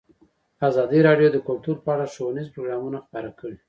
ازادي راډیو د کلتور په اړه ښوونیز پروګرامونه خپاره کړي.